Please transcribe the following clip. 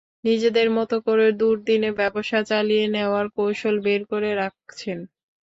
নিজেদের মতো করে দুর্দিনে ব্যবসা চালিয়ে নেওয়ার কৌশল বের করে রাখছেন।